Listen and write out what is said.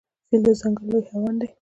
فیل د ځنګل لوی حیوان دی.